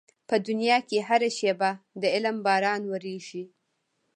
په دنيا کې هره شېبه د علم باران ورېږي.